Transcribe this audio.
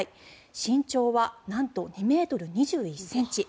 身長はなんと２ｍ２１ｃｍ。